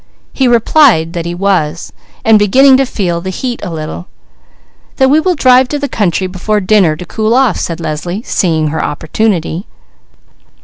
He replied that he was, and beginning to feel the heat a little. "Then we will drive to the country before dinner to cool off," said Leslie, seeing her opportunity.